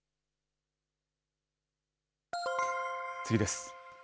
次です。